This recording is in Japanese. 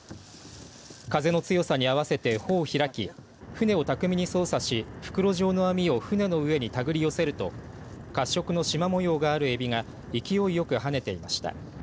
風の強さに合わせて帆を開き舟を巧みに操作し袋状の網を舟の上にたぐり寄せると褐色のしま模様があるエビが勢いよく跳ねていました。